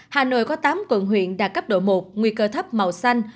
hà nội có tám quận huyện đạt cấp độ một nguy cơ thấp màu xanh